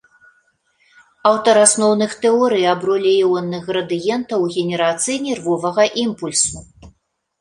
Аўтар асноўных тэорый аб ролі іонных градыентаў у генерацыі нервовага імпульсу.